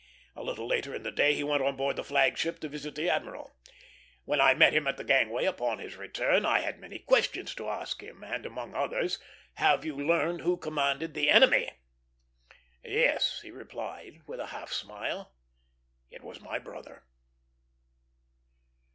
A little later in the day he went on board the flag ship to visit the admiral. When I met him at the gangway upon his return, I had many questions to ask, and among others, "Have you learned who commanded the enemy?" "Yes," he replied, with a half smile; "it was my brother."